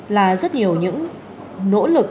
là rất nhiều những nỗ lực